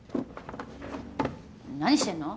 何してんの。